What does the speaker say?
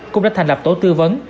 cũng đã thành lập tổ tư vấn